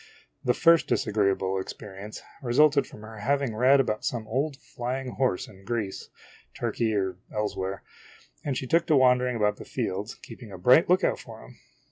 The first disagreeable experi ence resulted from her having read about some old fly ing horse in Greece, Turkey, or elsewhere, and she took to wandering about the fields keeping a bright lookout for him